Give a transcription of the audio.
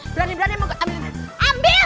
berani berani ambilin ambil